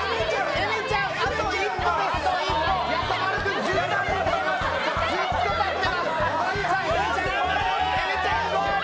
えめちゃん、ゴール！